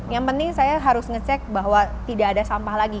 yang penting saya harus ngecek bahwa tidak ada sampah lagi